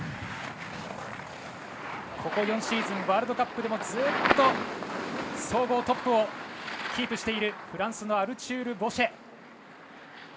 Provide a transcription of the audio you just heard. ここ４シーズンワールドカップでも総合トップをキープしているフランスのアルチュール・ボシェ。